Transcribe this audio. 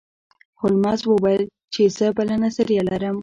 هولمز وویل چې زه بله نظریه لرم.